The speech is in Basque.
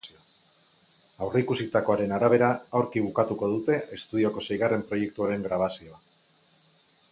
Aurreikusitakoaren arabera, aurki bukatuko dute estudioko seigarren proiektuaren grabazioa.